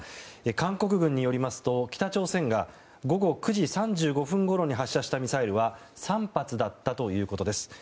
韓国軍によりますと北朝鮮が午後９時３５分ごろに発射したミサイルは３発だったということです。